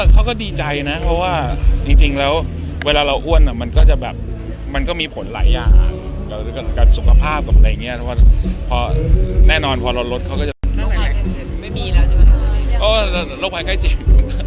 เขาก็ดีใจนะเพราะว่าจริงแล้วเวลาเราอ้วนอ่ะมันก็จะแบบมันก็มีผลหลายอย่างกับสุขภาพกับอะไรอย่างเงี้ยพอแน่นอนพอเราลดเขาก็จะ